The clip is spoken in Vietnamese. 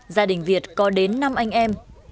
gia đình việt có đến năm anh em